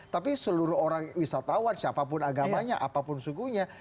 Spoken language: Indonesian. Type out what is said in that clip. tapi seluruh orang wisatawan siapapun agamanya apapun sukunya